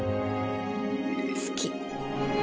好き。